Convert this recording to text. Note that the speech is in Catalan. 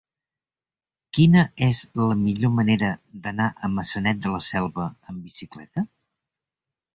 Quina és la millor manera d'anar a Maçanet de la Selva amb bicicleta?